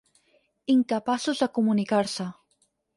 Incapaços de comunicar-se.